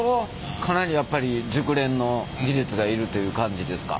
かなりやっぱり熟練の技術がいるという感じですか？